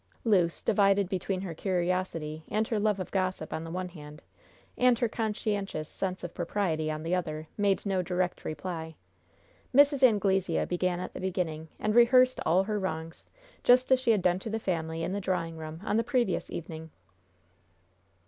Luce, divided between her curiosity and her love of gossip on the one hand, and her conscientious sense of propriety on the other, made no direct reply. Mrs. Anglesea began at the beginning and rehearsed all her wrongs, just as she had done to the family in the drawing room on the previous evening.